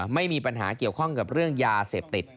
ไม่มีปัญหาเกี่ยวข้องกับเรื่องยาเสพติด